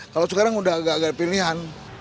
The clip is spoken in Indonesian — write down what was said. kalau sekarang udah agak agak pilihan